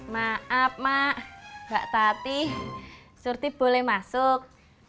maaf mak mbak tati surti boleh masuk